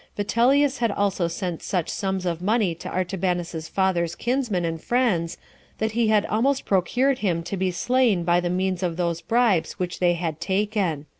Vitellius had also sent such great sums of money to Artabanus's father's kinsmen and friends, that he had almost procured him to be slain by the means of those bribes which they had taken.